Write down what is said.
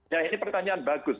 ya ini pertanyaan bagus